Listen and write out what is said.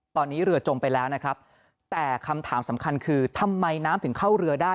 ตอนนี้เรือจมไปแล้วนะครับแต่คำถามสำคัญคือทำไมน้ำถึงเข้าเรือได้